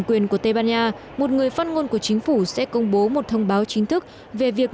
quyền của tây ban nha một người phát ngôn của chính phủ sẽ công bố một thông báo chính thức về việc